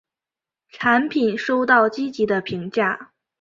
产品收到积极的评价。